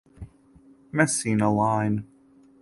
Messina Line